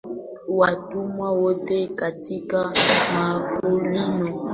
watumwa wote katika makoloni yote ya Uingereza